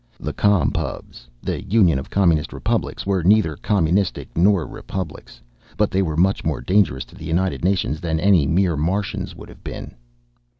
The Com Pubs the Union of Communist Republics were neither communistic nor republics, but they were much more dangerous to the United Nations than any mere Martians would have been.